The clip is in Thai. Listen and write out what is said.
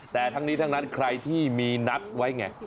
แต่ทั้งนี้ทั้งนั้นใครที่มีนัดไว้ไง